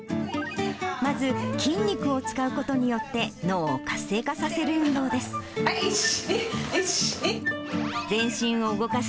まず筋肉を使うことによって、脳を活性化させる運動です。